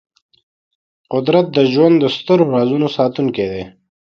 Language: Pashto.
قدرت د ژوند د سترو رازونو ساتونکی دی.